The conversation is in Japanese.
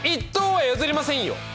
１等は譲りませんよ！